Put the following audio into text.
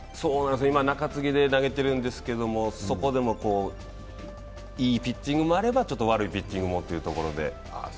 今、中継ぎで投げてるんですけどそこでもいいピッチングもあればちょっと悪いピッチングもというところで。